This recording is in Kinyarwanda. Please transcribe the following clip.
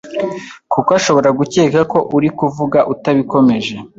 kuko ashobora gukeka ko uri kuvuga utabikomeje.